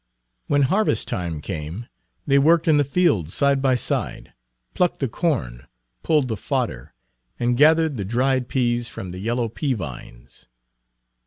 When harvest time came, they worked in the fields side by side, plucked the corn, pulled the fodder, and gathered the dried peas from the yellow pea vines.